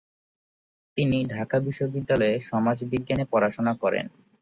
তিনি ঢাকা বিশ্ববিদ্যালয়ে সমাজবিজ্ঞানে পড়াশোনা করেন।